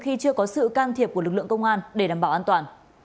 khi chưa có sự can thiệp của lực lượng công an để đảm bảo an toàn